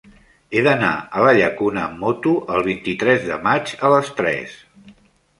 He d'anar a la Llacuna amb moto el vint-i-tres de maig a les tres.